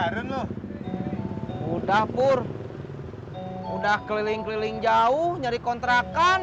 udah antar bangaren lho udah pur udah keliling keliling jauh nyari kontrakan